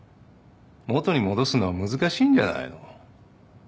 元に戻すのは難しいんじゃないの？